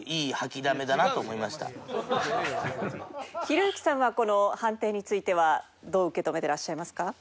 ひろゆきさんはこの判定についてはどう受け止めていらっしゃいますか？